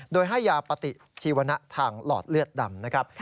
โดยให้ยาปฏิชีวนะทางหลอดเลือดดำนะครับ